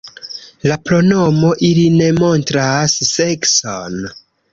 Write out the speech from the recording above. La pronomo ili ne montras sekson.